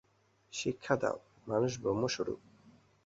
শিক্ষা দাও, মানুষ ব্রহ্মস্বরূপ।